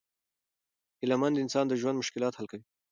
هیله مند انسان د ژوند مشکلات حل کوي.